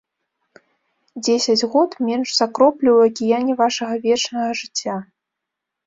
Дзесяць год менш за кроплю ў акіяне вашага вечнага жыцця.